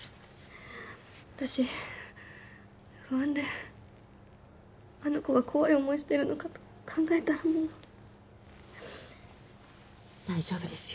私不安であの子が怖い思いしてるのかと考えたらもう大丈夫ですよ